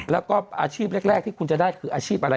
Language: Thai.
แล้วก็อาชีพแรกที่คุณจะได้คืออาชีพอะไร